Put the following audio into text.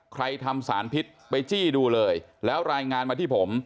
ทำสารพิษไปจี้ดูเลยแล้วรายงานมาที่ผม